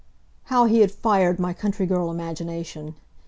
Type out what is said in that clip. How he had fired my country girl imagination!